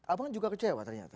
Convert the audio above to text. abang kan juga kecewa ternyata